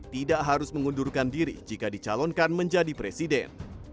tidak harus mengundurkan diri jika dicalonkan menjadi presiden